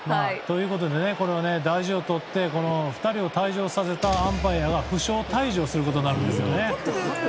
大事をとって２人を退場させたアンパイアが負傷退場することになるんですよね。